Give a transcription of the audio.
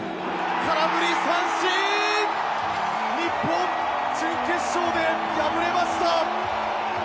空振り三振！日本準決勝で敗れました！